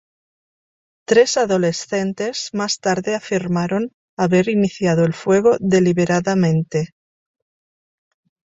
Tres adolescentes más tarde afirmaron haber iniciado el fuego deliberadamente.